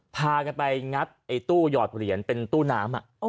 พากันไปงัดไอ้ตู้หยอดเหรียญเป็นตู้น้ำ